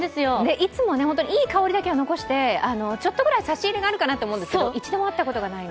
いつも本当にいい香りだけを残してちょっとぐらい差し入れあるのかなと思ったｒあ一度もあったことがないの。